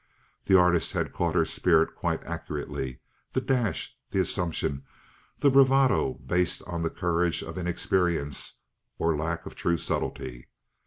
The artist had caught her spirit quite accurately, the dash, the assumption, the bravado based on the courage of inexperience, or lack of true subtlety.